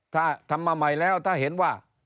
ถ้าทำมาใหม่แล้วถ้าเห็นว่า